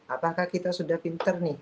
apakah kita sudah pinter nih